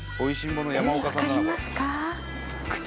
分かりますか？